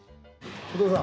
お父さん。